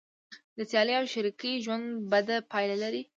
د سیالۍ او شریکۍ ژوند بده پایله لري.